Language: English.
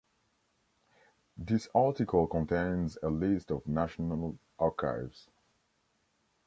This article contains a list of national archives.